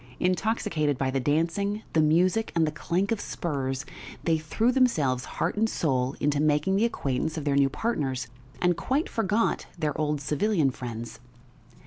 Intoxicated by the dancing, the music, and the clank of spurs, they threw themselves heart and soul into making the acquaintance of their new partners, and quite forgot their old civilian friends.